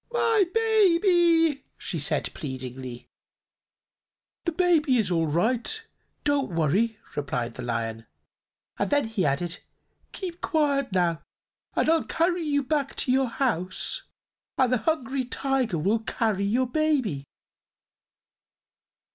"My baby!" she said pleadingly. "The baby is all right; don't worry," replied the Lion; and then he added: "Keep quiet, now, and I'll carry you back to your house, and the Hungry Tiger will carry your baby."